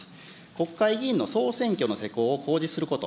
国会議員の総選挙の施行を公示すること。